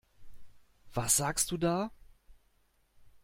Was sagst du da?